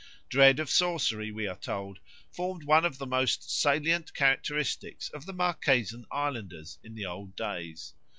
Dread of sorcery, we are told, formed one of the most salient characteristics of the Marquesan islanders in the old days.